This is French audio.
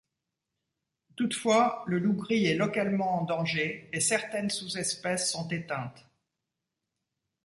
Toutefois, le Loup gris est localement en danger, et certaines sous-espèces sont éteintes.